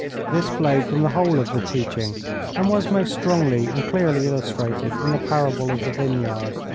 This flowed from the whole of the teaching, and was most strongly and clearly illustrated in the parable of the vineyard.